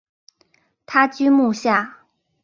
他居墓下。